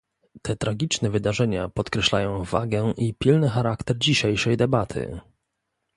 Te tragiczne wydarzenia podkreślają wagę i pilny charakter dzisiejszej debaty